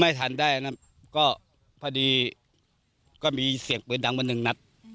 ไม่ทันได้นะก็พอดีก็มีเสียงปืนดังมาหนึ่งนัด